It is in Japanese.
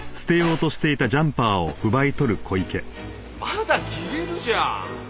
まだ着れるじゃん。